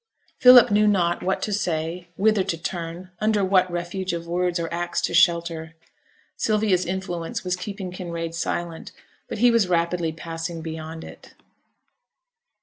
Philip knew not what to say, whither to turn, under what refuge of words or acts to shelter. Sylvia's influence was keeping Kinraid silent, but he was rapidly passing beyond it.